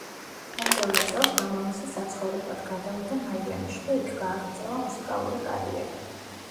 მომდევნო წელს მამამისი საცხოვრებლად გადავიდა მაიამიში და იქ გააგრძელა მუსიკალური კარიერა.